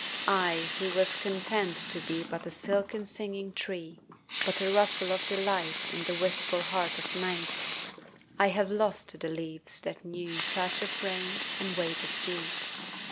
I who was content to be But a silken singing tree, But a rustle of delight In the wistful heart of night I have lost the leaves that knew Touch of rain and weight of dew.